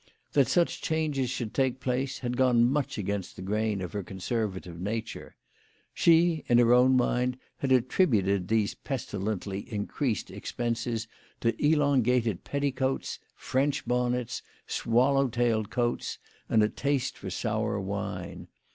That such changes should take place had gone much against the grain of her conservative nature. She, in her own mind, had attributed these pestilently increased expenses to elongated petticoats, French bonnets, swallow tailed coats, and a taste for sour wine.